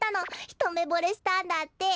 ひとめぼれしたんだって。